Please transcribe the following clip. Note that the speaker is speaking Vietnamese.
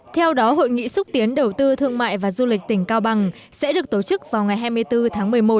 theo đó hội nghị xúc tiến đầu tư thương mại và du lịch tỉnh cao bằng sẽ được tổ chức vào ngày hai mươi bốn tháng một mươi một